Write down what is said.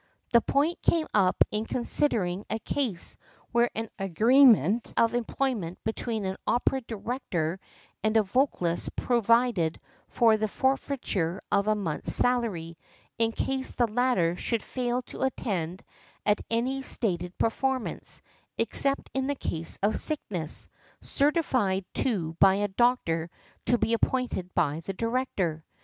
The point came up in considering a case where an agreement of employment between an opera director and a vocalist provided for the forfeiture of a month's salary in case the latter should fail to attend at any stated performance, except in the case of sickness, certified to by a doctor to be appointed by the director.